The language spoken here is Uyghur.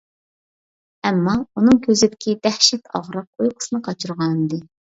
ئەمما ئۇنىڭ كۆزىدىكى دەھشەت ئاغرىق ئۇيقۇسىنى قاچۇرغانىدى.